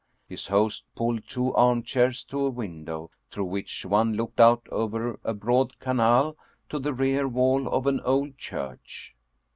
His host pulled two armchairs to a window through which one looked out over a broad canal to the rear wall of an old church.